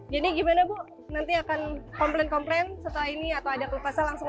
jadi gimana bu nanti akan komplain komplain setelah ini atau ada kelepasan langsung